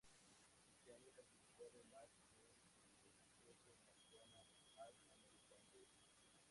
Ese año participó además en el prestigioso McDonald's All-American Game.